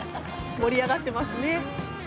盛り上がっていますね。